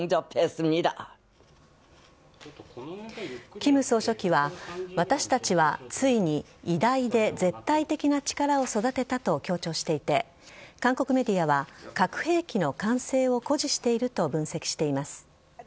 金総書記は私たちはついに偉大で絶対的な力を育てたと強調していて韓国メディアは核兵器の完成を誇示していると分析しています。